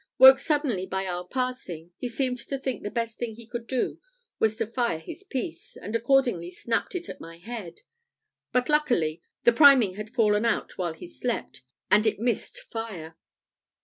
Woke suddenly by our passing, he seemed to think the best thing he could do was to fire his piece; and accordingly snapped it at my head; but luckily, the priming had fallen out while he slept, and it missed fire.